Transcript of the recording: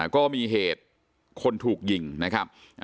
ก็มีเหตุคนถูกยิงนะครับ